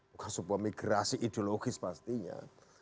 bukan sebuah migrasi ideologis pastinya